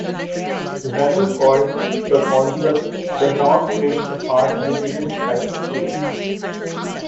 Zevon called the concerts "The Dog Ate the Part We Didn't Like Tour".